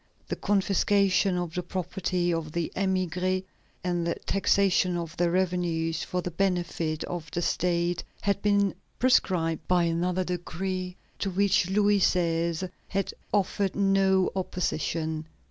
The confiscation of the property of the émigrés and the taxation of their revenues for the benefit of the State had been prescribed by another decree to which Louis XVI. had offered no opposition.